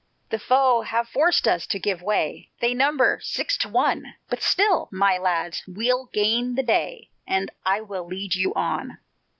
The foe have forced us to give way, They number six to one, But still, my lads, we'll gain the day, And I will lead you on."